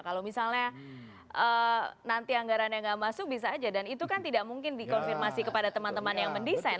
kalau misalnya nanti anggarannya nggak masuk bisa aja dan itu kan tidak mungkin dikonfirmasi kepada teman teman yang mendesain